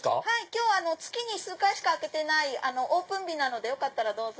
今日月に数回しか開けてないオープン日なのでどうぞ。